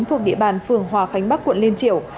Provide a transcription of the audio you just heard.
thuộc địa bàn phường hòa khánh bắc quận liên triều